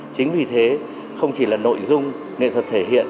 chính vì thế không chỉ là nội dung nghệ thuật thể hiện